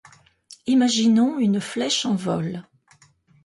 Imaginons une flèche en vol.